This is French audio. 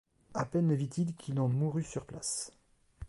À peine le vit-il qu'il en mourut sur place.